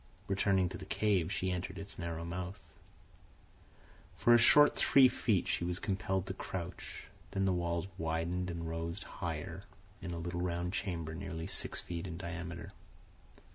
Returning to the cave, she entered its narrow mouth. For a short three feet she was compelled to crouch, then the walls widened and rose higher in a little round chamber nearly six feet in diameter.